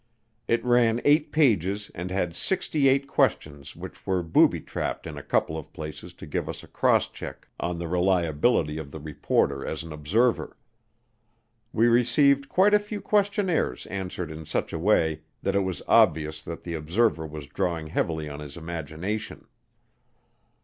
It ran eight pages and had sixty eight questions which were booby trapped in a couple of places to give us a cross check on the reliability of the reporter as an observer. We received quite a few questionnaires answered in such a way that it was obvious that the observer was drawing heavily on his imagination.